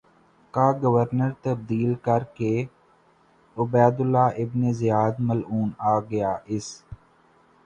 کا گورنر تبدیل کرکے عبیداللہ ابن زیاد ملعون آگیا اس